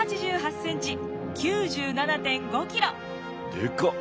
でかっ！